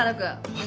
はい。